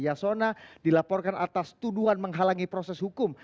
yasona dilaporkan atas tuduhan menghalangi proses hukum